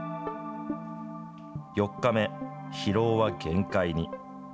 ４日目、疲労は限界に。